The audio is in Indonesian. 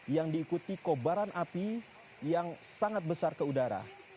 yang diikuti kobaran api yang sangat besar ke udara